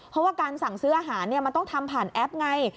เพราะว่าการสั่งซื้ออาหารมันต้องทำผ่านแอปไง